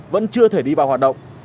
vẫn chưa thể đi vào hoạt động